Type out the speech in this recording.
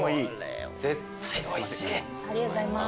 ありがとうございます。